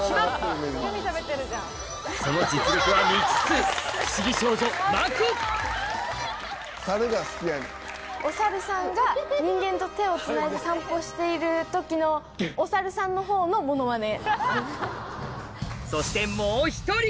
その実力は未知数不思議少女お猿さんが人間と手をつないで散歩している時のお猿さんの方のモノマネ。